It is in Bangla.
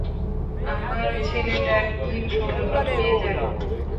আমার ছেলেটার কী হলো কে জানে!